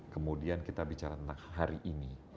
kemudian kita bicara tentang hari ini